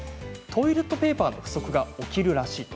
トイレットペーパーの不足が起きるらしい。